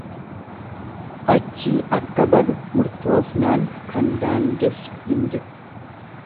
Achii akka badu murtoofnaan kan daangessu hin jiru.